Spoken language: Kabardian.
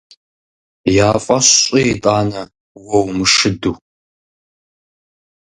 Я фӀэщ щӀы итӀанэ уэ умышыду…